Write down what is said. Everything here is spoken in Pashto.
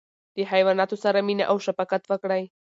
له حیواناتو سره مینه او شفقت وکړئ.